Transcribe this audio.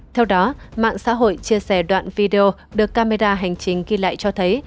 theo đó mạng xã hội chia sẻ đoạn video được camera hành trình ghi lại cho thấy